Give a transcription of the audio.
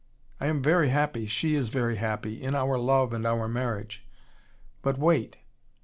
I am very happy, she is very happy, in our love and our marriage. But wait.